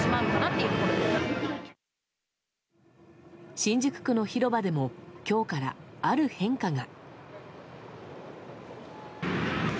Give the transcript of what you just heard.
新宿区の広場でも今日から、ある変化が。